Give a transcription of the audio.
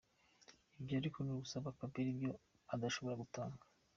Ibyo ariko ni ugusaba Kabila ibyo adashobora gutanga.